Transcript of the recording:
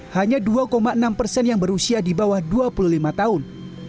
hanya dua enam persen yang berusia di bawah dua puluh lima tahun